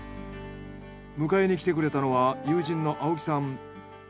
迎えにきてくれたのは友人の青木さん。